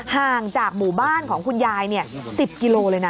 ห่างจากหมู่บ้านของคุณยาย๑๐กิโลเลยนะ